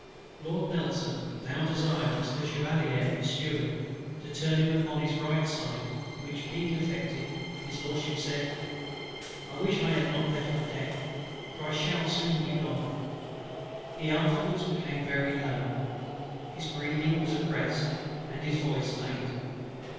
Lord NELSON now desired Mr. CHEVALIER, his Steward, to turn him upon his right side; which being effected, HIS LORDSHIP said: "I wish I had not left the deck, for I shall soon be gone." He afterwards became very low; his breathing was oppressed, and his voice faint.